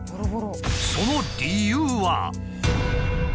その理由は？